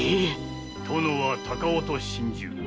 殿は高尾と心中。